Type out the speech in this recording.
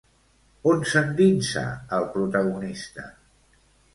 On s'endinsa el protagonista?